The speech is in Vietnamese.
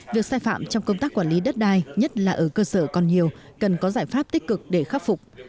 việc sai phạm trong công tác quản lý đất đai nhất là ở cơ sở còn nhiều cần có giải pháp tích cực để khắc phục